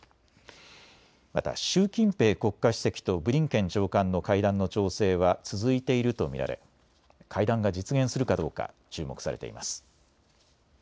また習近平国家主席とブリンケン長官の会談の調整は続いていると見られ会談が実現するかどうか注目されています。